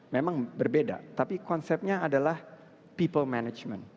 memang berbeda tapi konsepnya adalah people management